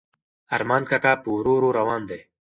ارمان کاکا په ورو ورو روان دی.